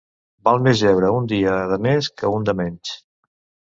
Val més jeure un dia de més que un de menys.